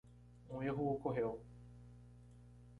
Um erro ocorreu.